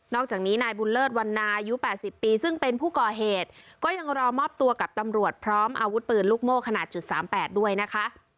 อกจากนี้นายบุญเลิศวันนายุ๘๐ปีซึ่งเป็นผู้ก่อเหตุก็ยังรอมอบตัวกับตำรวจพร้อมอาวุธปืนลูกโม่ขนาดจุดสามแปดด้วยนะคะ